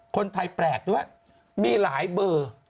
คนไทยแปลกด้วยมีหลายเบอร์